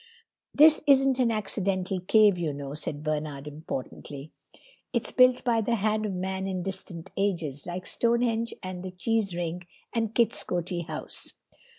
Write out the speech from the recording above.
"This isn't an accidental cave, you know," said Bernard importantly; "it's built by the hand of man in distant ages, like Stonehenge and the Cheesewring and Kit's Coty House."